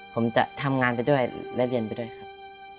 ผมจะทำงานไปด้วยและเรียนไปด้วยครับ